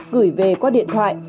gửi về qua điện thoại